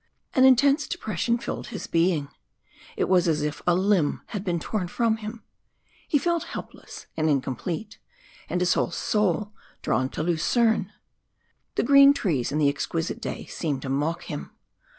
An intense depression filled his being. It was as if a limb had been torn from him; he felt helpless and incomplete, and his whole soul drawn to Lucerne. The green trees and the exquisite day seemed to mock him.